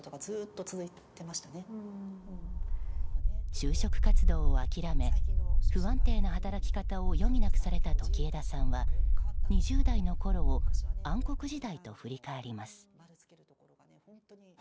就職活動を諦め不安定な働き方を余儀なくされた時枝さんは２０代のころを暗黒時代と振り返ります。